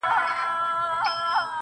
زه د هر چا ښو له کاره ويستمه~